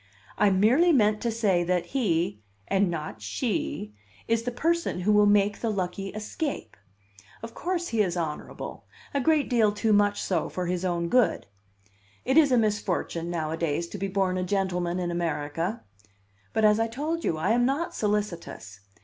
I merely meant to say that he, and not she, is the person who will make the lucky escape. Of course, he is honorable a great deal too much so for his own good. It is a misfortune, nowadays, to be born a gentleman in America. But, as I told you, I am not solicitous.